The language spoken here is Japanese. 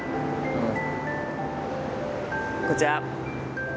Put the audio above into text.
うん。